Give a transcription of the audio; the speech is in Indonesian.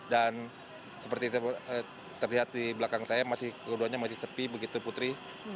dan seperti terlihat di belakang saya masih keduanya masih sepi begitu putri